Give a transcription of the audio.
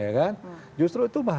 ya kan justru itu